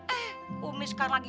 eh umi sekarang lagi